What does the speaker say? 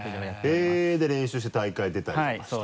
へぇ！で練習して大会出たりとかして。